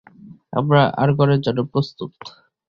আমরা আর্গনের জন্য প্রস্তুত।